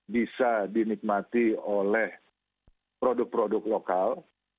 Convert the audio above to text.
bisa dinikmati oleh produk produk lokal